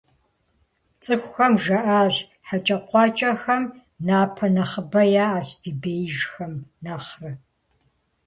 ЦӀыхухэм жаӀащ: - ХьэкӀэкхъуэкӀэхэм напэ нэхъыбэ яӀэщ, ди беижьхэм нэхърэ!